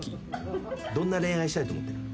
どんな恋愛したいと思ってる？